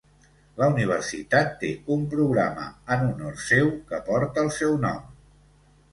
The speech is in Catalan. La Universitat té un programa en honor seu que porta el seu nom.